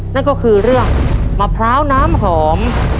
นั่นก็คือเรื่องมะพร้าวน้ำหอม